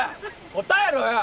答えろよ！